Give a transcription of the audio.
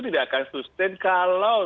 tidak akan sustain kalau